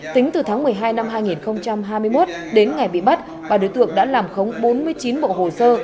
tính từ tháng một mươi hai năm hai nghìn hai mươi một đến ngày bị bắt bà đối tượng đã làm khống bốn mươi chín bộ hồ sơ